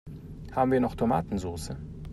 Haben wir noch Tomatensoße?